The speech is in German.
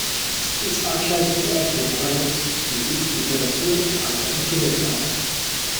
Sie ist Veranstaltungsort für Kabarett, Musik, Literatur, Theater und Kindertheater.